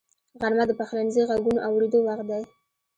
غرمه د پخلنځي غږونو اورېدو وخت دی